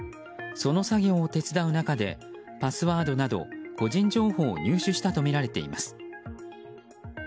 その作業を手伝う中でパスワードなど個人情報を入手したとみられています。